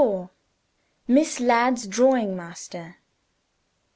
MISS LADD'S DRAWING MASTER.